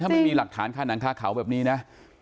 ถ้าไม่มีหลักฐานใคร่น้ำค้าเข่าแบบนี้นะ